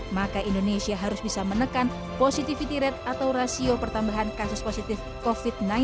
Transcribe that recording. maka indonesia harus bisa menekan positivity rate atau rasio pertambahan kasus positif covid sembilan belas